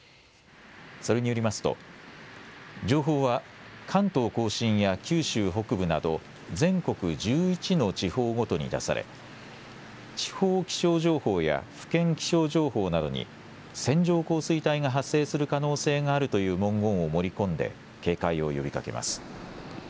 それによりますと情報は関東甲信や九州北部など全国１１の地方ごとに出され地方気象情報や府県気象情報などに線状降水帯が発生する可能性があるという文言を盛り込んで警戒を呼びかけます。